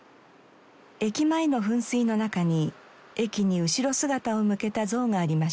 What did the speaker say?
駅前の噴水の中に駅に後ろ姿を向けた像がありました。